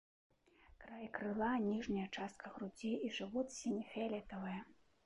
Край крыла, ніжняя частка грудзей і жывот сіне-фіялетавыя.